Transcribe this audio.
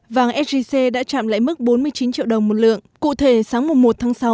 vàng sgc đã chạm lại mức bốn mươi chín triệu đồng một lượng cụ thể sáng một tháng sáu